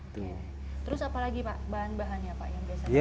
terus apa lagi pak bahan bahannya pak yang biasa